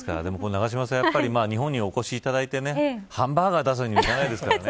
永島さん日本にお越しいただいてハンバーガー出すわけにはいかないですからね。